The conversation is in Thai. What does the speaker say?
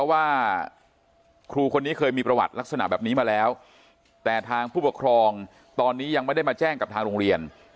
ว่าครูคนนี้เคยมีประวัติลักษณะแบบนี้มาแล้วแต่ทางผู้ปกครองตอนนี้ยังไม่ได้มาแจ้งกับทางโรงเรียน